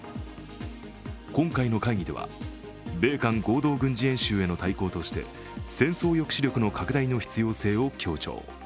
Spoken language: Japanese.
今回の会議では米韓合同軍事演習への対抗として戦争抑止力の拡大の必要性を強調。